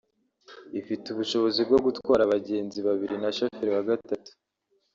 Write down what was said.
Ifite ubushobozi bwo gutwara abagenzi babiri na shoferi wa gatatu